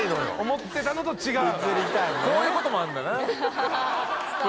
思ってたのと違う。